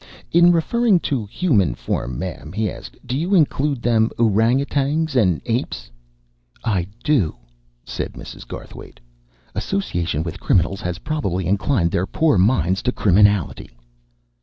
"In referring to human form, ma'am," he asked, "do you include them oorangootangs and apes?" "I do," said Mrs. Garthwaite. "Association with criminals has probably inclined their poor minds to criminality."